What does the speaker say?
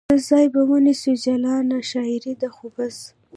څه ځای به ونیسي جلانه ؟ شاعرې ده خو بس